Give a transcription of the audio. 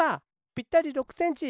ぴったり６センチ！